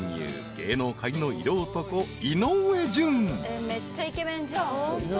芸能界の色男井上順］